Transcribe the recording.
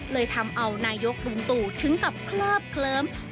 เลยทำเอานายกลุงตู่ถึงกับเคลิบเคลิ้ม